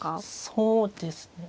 そうですね